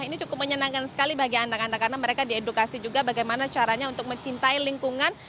ini cukup menyenangkan sekali bagi anak anak karena mereka diedukasi juga bagaimana caranya untuk mencintai lingkungan